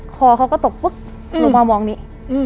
คอเขาก็ตกปึ๊บลงมามองนี่